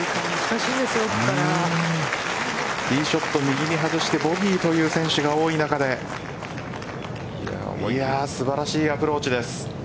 ティーショット、右に外してボギーという選手が多い中で素晴らしいアプローチです。